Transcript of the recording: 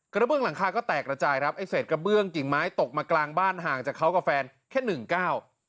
กระเบื้องหลังคาก็แตกระจายครับไอ้เศษกระเบื้องกิ่งไม้ตกมากลางบ้านห่างจากเขากับแฟนแค่หนึ่งก้าว